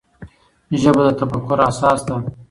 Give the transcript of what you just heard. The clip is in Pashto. ژبه د تفکر اساس ده.